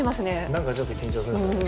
なんかちょっと緊張するんですよね